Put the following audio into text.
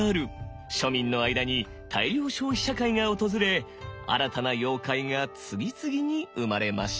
庶民の間に大量消費社会が訪れ新たな妖怪が次々に生まれました。